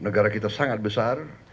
negara kita sangat besar